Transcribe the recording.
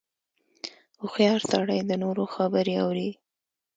• هوښیار سړی د نورو خبرې اوري.